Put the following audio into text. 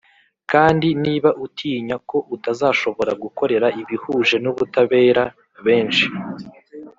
kandi niba utinya ko utazashobora gukorera ibihuje n’ubutabera (benshi)